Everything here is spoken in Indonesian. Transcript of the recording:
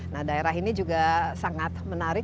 nah daerah ini juga sangat menarik